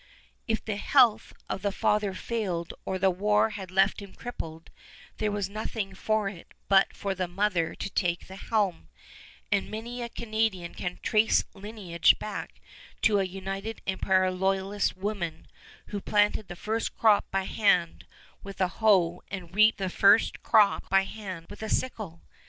If the health of the father failed or the war had left him crippled, there was nothing for it but for the mother to take the helm; and many a Canadian can trace lineage back to a United Empire Loyalist woman who planted the first crop by hand with a hoe and reaped the first crop by hand with a sickle.